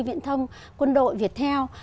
viện thông quân đội việt theo